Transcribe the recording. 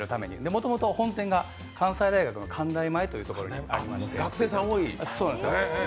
もともと本店が関西大学の関大前というところにありまして。